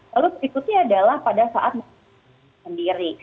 lalu berikutnya adalah pada saat memiliki anak sendiri